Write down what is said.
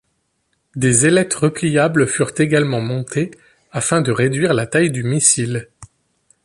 Des ailettes repliables furent également montées, afin de réduire la taille du missile.